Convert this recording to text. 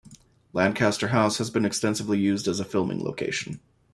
Lancaster House has been extensively used as a filming location.